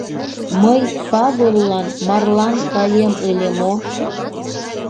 Мый Павыллан марлан каем ыле мо?